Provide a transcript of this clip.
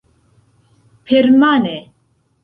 Permane!